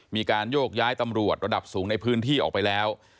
มีการโยกย้ายตำรวจระดับสูงในพื้นที่ออกไปแล้ว